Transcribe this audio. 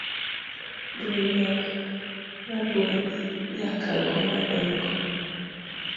Duol mag rabuon nyakago madongo.